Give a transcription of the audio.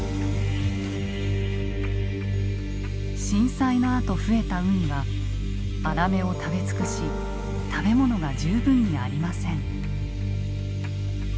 震災のあと増えたウニはアラメを食べ尽くし食べ物が十分にありません。